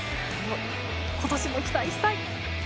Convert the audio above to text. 今年も期待したい！